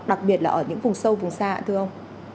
đặc biệt là ở những vùng sâu vùng xa thưa ông